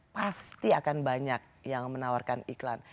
pasti akan banyak yang menawarkan iklan